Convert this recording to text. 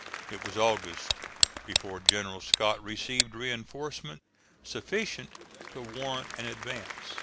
It was August before General Scott received reinforcement sufficient to warrant an advance.